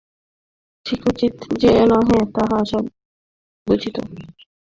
ঠিক উচিত যে নহে, তাহা আশা বুঝিত।